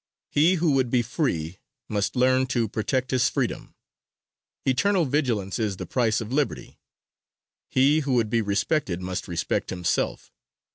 He who would be free must learn to protect his freedom. Eternal vigilance is the price of liberty. He who would be respected must respect himself.